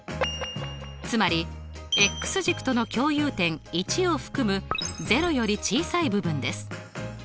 つまり軸との共有点１を含む０より小さい部分です。